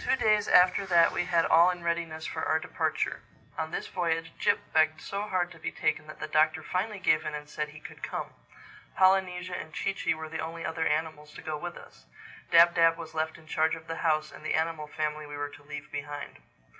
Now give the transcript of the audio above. TWO days after that we had all in readiness for our departure. On this voyage Jip begged so hard to be taken that the Doctor finally gave in and said he could come. Polynesia and Chee Chee were the only other animals to go with us. Dab Dab was left in charge of the house and the animal family we were to leave behind.